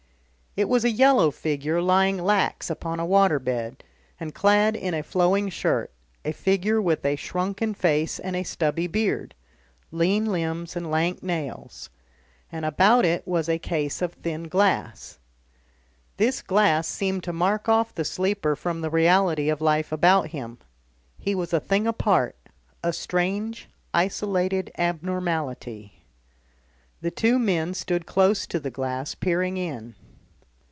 It was a yellow figure lying lax upon a water bed and clad in a flowing shirt, a figure with a shrunken face and a stubby beard, lean limbs and lank nails, and about it was a case of thin glass. This glass seemed to mark off the sleeper from the reality of life about him, he was a thing apart, a strange, isolated abnormality. The two men stood close to the glass, peering in.